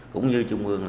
cũng như trung ương